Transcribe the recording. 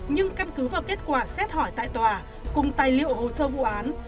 nhưng căn cứ vào kết quả xét hỏi tại tòa cùng tài liệu hồ sơ vụ án